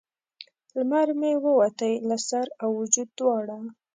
لمر مې ووتی له سر او وجود دواړه